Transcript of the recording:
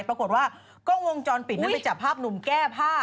ปรากฏว่ากล้องวงจรปิดนั้นไปจับภาพหนุ่มแก้ผ้า